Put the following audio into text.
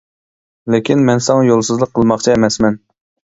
لېكىن، مەن ساڭا يولسىزلىق قىلماقچى ئەمەسمەن.